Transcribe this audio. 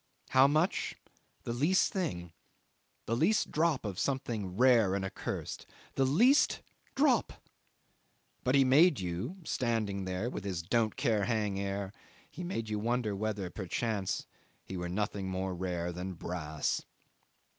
How much? The least thing the least drop of something rare and accursed; the least drop! but he made you standing there with his don't care hang air he made you wonder whether perchance he were nothing more rare than brass.